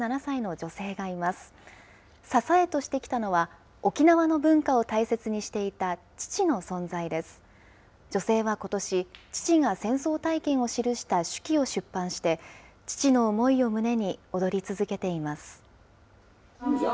女性はことし、父が戦争体験を記した手記を出版して、父の思いを胸に踊り続けています。